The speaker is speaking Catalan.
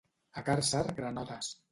A Càrcer, granotes.